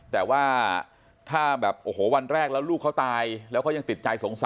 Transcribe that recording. แต่ว่าถ้าแบบโอ้โหวันแรกแล้วลูกเขาตายแล้วเขายังติดใจสงสัย